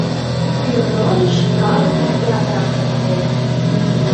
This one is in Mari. Перроныш калык ятырак погынен.